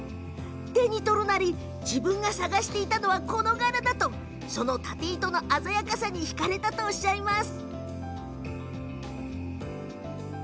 手に取るなり自分が探していたのはこの柄だとそのたて糸の鮮やかさに引かれたとおっしゃいます。